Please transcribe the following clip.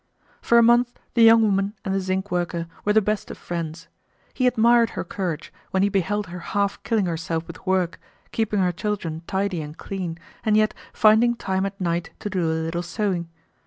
For a month the young woman and the zinc worker were the best of friends. He admired her courage, when he beheld her half killing herself with work, keeping her children tidy and clean, and yet finding time at night to do a little sewing.